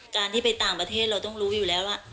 การที่ไปต่างประเทศเราต้องรู้อยู่แล้วว่า